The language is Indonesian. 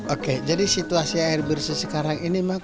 oke jadi situasi air bersih sekarang ini